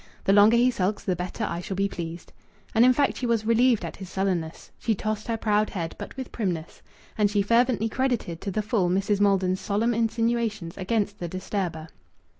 The longer he sulks the better I shall be pleased." And in fact she was relieved at his sullenness. She tossed her proud head, but with primness. And she fervently credited to the full Mrs. Maldon's solemn insinuations against the disturber.